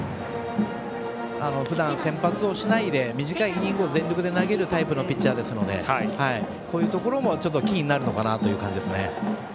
ふだん、先発をしないで短いイニングを全力で投げるタイプのピッチャーですのでこういうところもキーになるのかなという感じです。